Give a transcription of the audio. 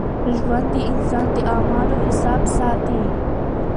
ژوند د انسان د اعمالو حساب ساتي.